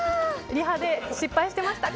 リハで失敗してました。